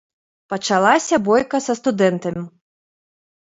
Пачалася бойка са студэнтам.